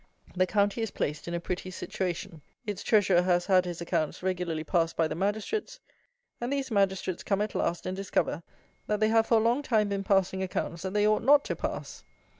The county is placed in a pretty situation: its Treasurer has had his accounts regularly passed by the Magistrates; and these Magistrates come at last and discover that they have for a long time been passing accounts that they ought not to pass.